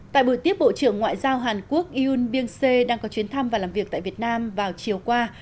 tại buổi tiếp bộ trưởng ngoại giao hàn quốc yoon byung se đang có chuyến thăm và làm việc tại việt nam vào chiều qua